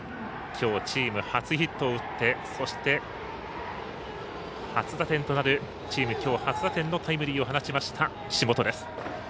きょうチーム初ヒットを打ってそして、きょうチーム初打点のタイムリーを放ちました、岸本。